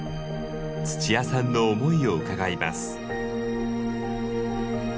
つちやさんの思いを伺います。